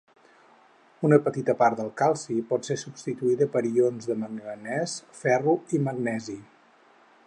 Una petita part del calci pot ser substituïda per ions de manganès, ferro o magnesi.